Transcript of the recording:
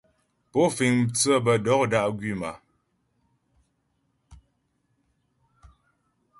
Pó fíŋ mtsə́ bə dɔ̀k dá' gwím a ?